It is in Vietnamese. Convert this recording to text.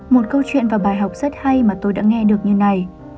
một câu chuyện và bài học rất hay mà tôi đã nghe được như này